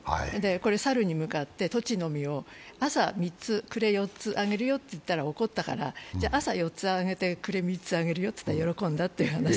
猿に向かってトチの実を朝３つ、暮れ４つあげるよと言ったら怒ったから、じゃ朝４つあげて暮れに３つあげるよと言ったら喜んだと。